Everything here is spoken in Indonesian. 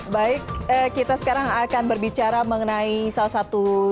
baik kita sekarang akan berbicara mengenai salah satu